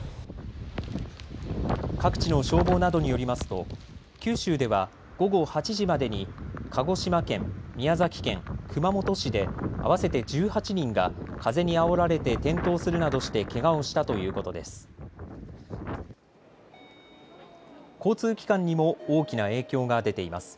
各地の消防などによりますと九州では午後８時までに鹿児島県、宮崎県、熊本市で合わせて１８人が風にあおられて転倒するなどしてけがをしたということです。